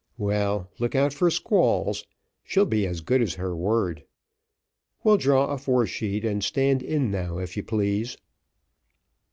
"Well, look out for squalls, she'll be as good as her word. We'll draw the foresheet, and stand in now, if you please."